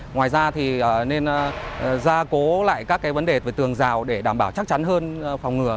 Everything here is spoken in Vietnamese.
ngoài ra thì nên gia cố lại các vấn đề về tường rào để đảm bảo chắc chắn hơn phòng ngừa